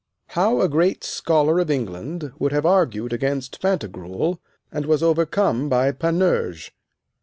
How a great scholar of England would have argued against Pantagruel, and was overcome by Panurge.